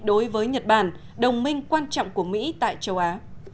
đối với nhật bản đồng minh quan trọng của mỹ tại châu á